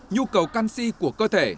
nhu cầu canxi của cơ thể